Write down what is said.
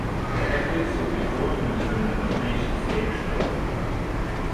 The athletes will be drawn into an elimination stage draw.